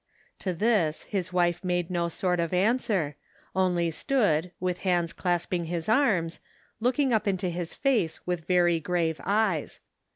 To this, his wife made no sort of answer, only stood, with hands clasping his arms, looking up into his face with very grave eyes.